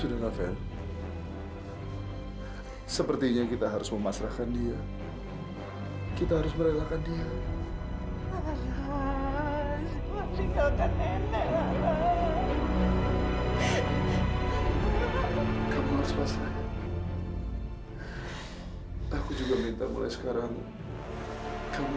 iya kata dokter mereka harus menempatkan pendonor ginjal pak